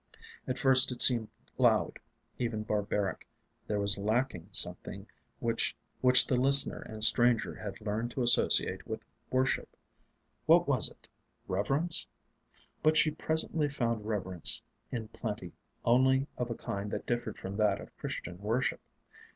At first it seemed loud, even barbaric; there was lacking something which the listener and stranger had learned to associate with worship. What was it? Reverence? But she presently found reverence In plenty, only of a kind that differed from that of Christian worship.